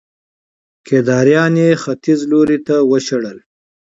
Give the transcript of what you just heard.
کيداريان يې ختيځ لوري ته وشړل